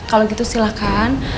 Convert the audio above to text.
kalau gitu silahkan